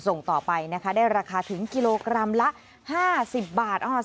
ส่งต่อไปนะคะได้ราคาถึงกิโลกรัมละ๕๐บาท